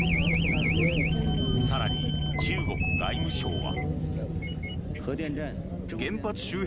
更に中国外務省は。